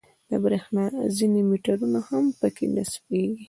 د برېښنا ځینې میټرونه هم په کې نصبېږي.